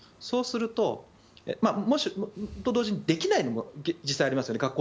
そうすると、それと同時にできないのもありますよね。